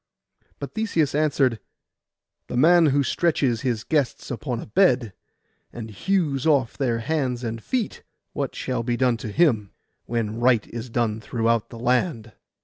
But Theseus answered, 'The man who stretches his guests upon a bed and hews off their hands and feet, what shall be done to him, when right is done throughout the land?